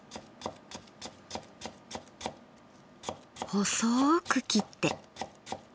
細く切って。